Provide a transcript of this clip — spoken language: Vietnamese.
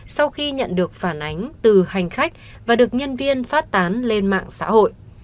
sau khi nhận được phản ánh từ hành khách và được nhân viên phát tán lên mạng xã hội